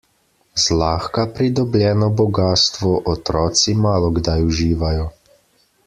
Zlahka pridobljeno bogastvo otroci malokdaj uživajo.